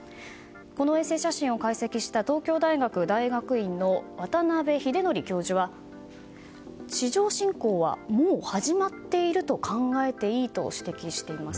この衛星写真を解析した東京大学大学院の渡邉英徳教授は、地上侵攻はもう始まっていると考えていいと指摘しています。